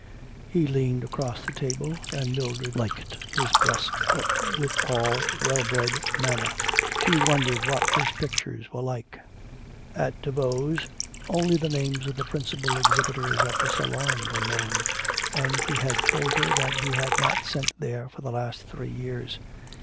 He leaned across the table, and Mildred liked his brusque, but withal well bred manner. She wondered what his pictures were like. At Daveau's only the names of the principal exhibitors at the Salon were known, and he had told her that he had not sent there for the last three years.